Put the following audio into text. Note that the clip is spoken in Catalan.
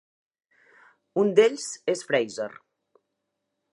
Un d'ells és Fraser.